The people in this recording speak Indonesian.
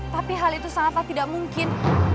tapi hal itu sangatlah tidak mungkin